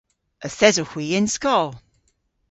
Yth esowgh hwi y'n skol.